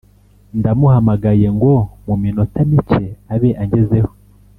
ndamuhamagaye ngo muminota mike abe angezeho